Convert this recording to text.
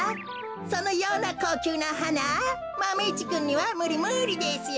そのようなこうきゅうなはなマメ１くんにはむりむりですよ。